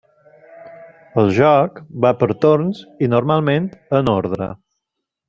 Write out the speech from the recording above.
El joc va per torns i, normalment, en ordre.